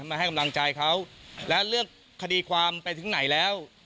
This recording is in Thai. มาให้กำลังใจเขาและเรื่องคดีความไปถึงไหนแล้ว